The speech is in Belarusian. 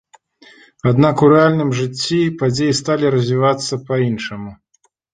Аднак у рэальным жыцці падзеі сталі развівацца па-іншаму.